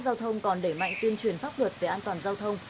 giao thông còn đẩy mạnh tuyên truyền pháp luật về an toàn giao thông